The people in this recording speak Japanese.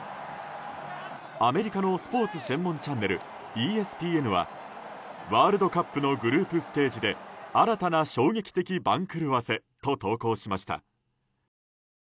アメリカのスポーツ専門チャンネル、ＥＳＰＮはワールドカップのグループステージで新たな衝撃的番狂わせと投稿しました。